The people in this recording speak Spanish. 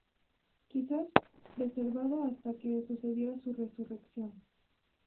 Quizás preservado hasta que sucediera su resurrección.